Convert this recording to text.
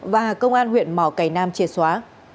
và công an huyện mỏ cầy nam chia xóa